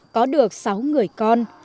có được sáu người con